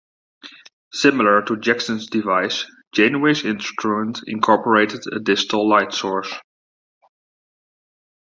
Similar to Jackson's device, Janeway's instrument incorporated a distal light source.